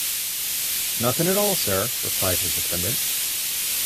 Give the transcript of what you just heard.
‘Nothin’ at all, Sir,’ replied his attendant.